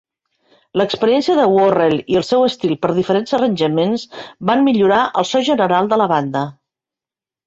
L'experiència de Worrell i el seu estil pels diferents arranjaments van millorar el so general de la banda.